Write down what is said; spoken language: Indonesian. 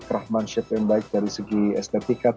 kerahmansyat yang baik dari segi estetika